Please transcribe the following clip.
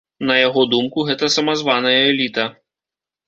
На яго думку, гэта самазваная эліта.